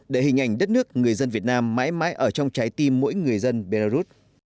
để hình ảnh đất nước người dân việt nam mãi mãi ở trong trái tim mỗi người dân belarus